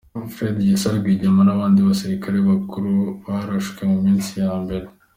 Fred Gisa Rwigema n’abandi basirikare bakuru, barashwe mu minsi ya mbere.